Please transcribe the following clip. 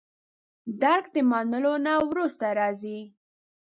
درک د منلو نه وروسته راځي.